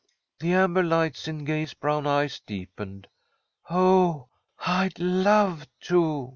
The amber lights in Gay's brown eyes deepened. "Oh, I'd love to!"